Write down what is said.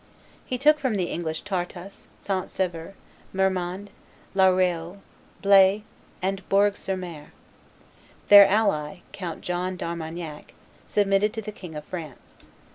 He took from the English Tartas, Saint Sever, Marmande, La Reole, Blaye, and Bourg sur Mer. Their ally, Count John d'Armagnac, submitted to the King of France.